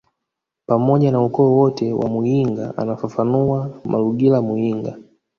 pamoja na ukoo wote wa muyinga anafafanua Malugila Muyinga